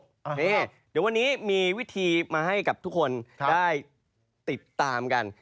เดี๋ยววันนี้มีวิธีมาให้กับทุกคนได้ติดตามกัน